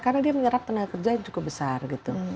karena dia menyerap tenaga kerja yang cukup besar gitu